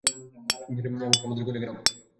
এমনকি আমার কলিগেরাও।